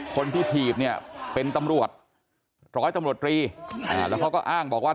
คนที่ถีบเนี่ยเป็นตำรวจร้อยตำรวจรีแล้วเขาก็อ้างบอกว่า